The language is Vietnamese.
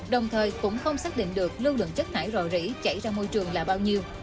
đồng thời cũng không xác định được lưu lượng chất thải rò rỉ chảy ra môi trường là bao nhiêu